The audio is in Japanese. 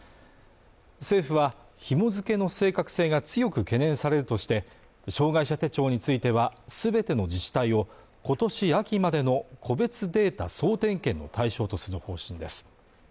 政府はひも付けの正確性が強く懸念されるとして障害者手帳についてはすべての自治体をことし秋までの個別データ総点検の対象とする方針です